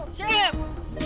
oh udah pulang